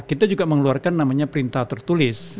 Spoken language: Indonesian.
kita juga mengeluarkan namanya perintah tertulis